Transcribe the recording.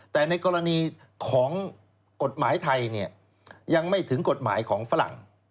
แต่ในกรณีของกฎหมายไทยเนี่ยยังไม่ถึงกฎหมายของฝรั่ง